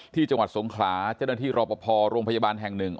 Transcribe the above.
ที่จังหวัดสงคราเจ้าหน้าที่รอปภโรงพยาบาลแห่ง๑